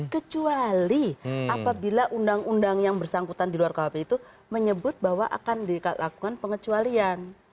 kecuali apabila undang undang yang bersangkutan di luar kuhp itu menyebut bahwa akan dilakukan pengecualian